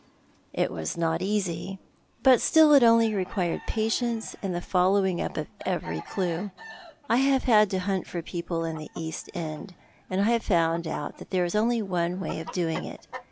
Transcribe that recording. " It was not easy— but still it only required patience and the following up of every clue. I have had to hunt for people in the East End, and I have found out that there is only one way of doing it.